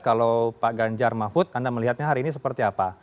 kalau pak ganjar mahfud anda melihatnya hari ini seperti apa